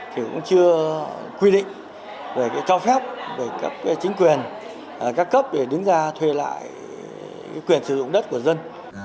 thì cũng chưa quy định về cho phép về các chính quyền các cấp để đứng ra thuê lại quyền sử dụng đất của dân